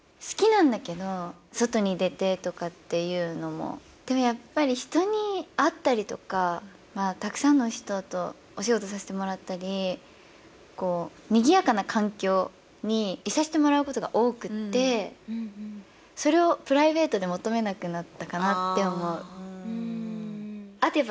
好きなんだけど外に出てとかっていうのもでもやっぱり人に会ったりとかたくさんの人とお仕事させてもらったりにぎやかな環境にいさせてもらうことが多くってそれをプライベートで求めなくなったかなって思ううん